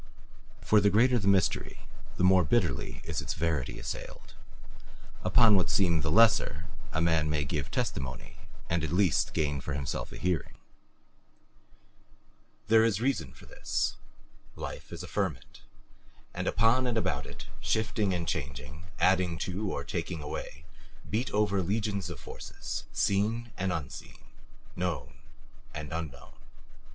For the greater the mystery, the more bitterly is its verity assailed; upon what seem the lesser a man may give testimony and at least gain for himself a hearing. There is reason for this. Life is a ferment, and upon and about it, shifting and changing, adding to or taking away, beat over legions of forces, seen and unseen, known and unknown.